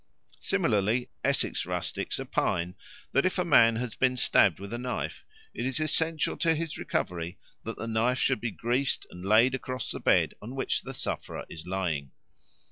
Similarly Essex rustics opine that, if a man has been stabbed with a knife, it is essential to his recovery that the knife should be greased and laid across the bed on which the sufferer is lying.